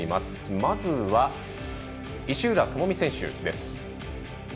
まずは、石浦智美選手です。